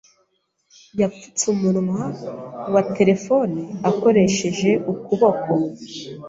Yapfutse umunwa wa terefone akoresheje ukuboko.